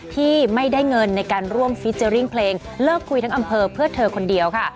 ที่ไม่ได้เงินในการร่วมฟีเจอร์ริ่งเพลงเลิกคุยทั้งอำเภอเพื่อเธอคนเดียวค่ะ